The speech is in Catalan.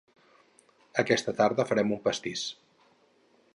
Aquesta tarda farem un pastís.